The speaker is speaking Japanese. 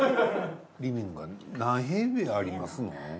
リビングは何平米ありますのん？